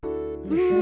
うん。